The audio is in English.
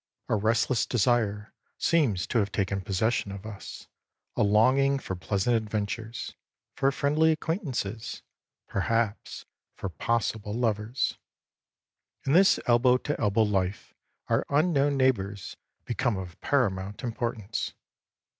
A restless desire seems to have taken possession of us, a longing for pleasant adventures, for friendly acquaintances, perhaps, for possible lovers. In this elbow to elbow life our unknown neighbors become of paramount importance.